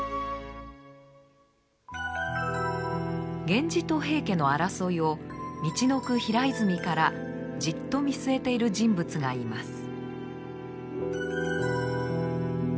源氏と平家の争いをみちのく平泉からじっと見据えている人物がいます。